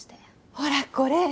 ほらこれ。